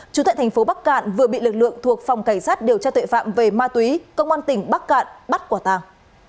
chú tại thành phố bắc cạn vừa bị lực lượng thuộc phòng cảnh sát điều tra tuệ phạm về ma túy công an tỉnh bắc cạn bắt quả tàng